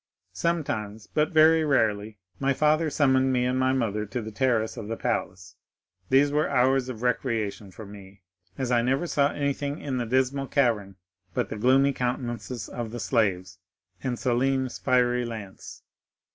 Sometimes, but very rarely, my father summoned me and my mother to the terrace of the palace; these were hours of recreation for me, as I never saw anything in the dismal cavern but the gloomy countenances of the slaves and Selim's fiery lance.